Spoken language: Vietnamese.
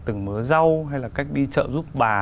từng mớ rau hay là cách đi chợ giúp bà